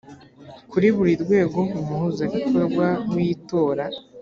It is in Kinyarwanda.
kuri buri rwego umuhuzabikorwa w itora